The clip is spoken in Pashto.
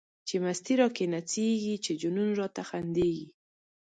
چی مستی را کی نڅیږی، چی جنون راته خندیږی